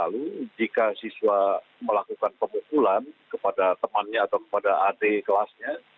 jadi jika siswa melakukan pemukulan kepada temannya atau kepada adik kelasnya